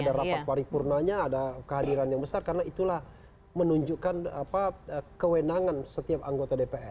ada rapat paripurnanya ada kehadiran yang besar karena itulah menunjukkan kewenangan setiap anggota dpr